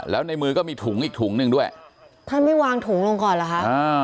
แล้วในมือก็มีถุงอีกถุงหนึ่งด้วยท่านไม่วางถุงลงก่อนเหรอคะอ่า